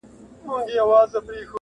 o د جانان چي په کوم لاره تله راتله وي,